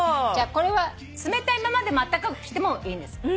これは冷たいままでもあったかくしてもいいんです。